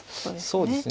そうですね。